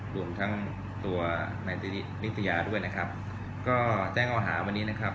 รวมทั้งตัวนายนิตยาด้วยนะครับก็แจ้งข้อหาวันนี้นะครับ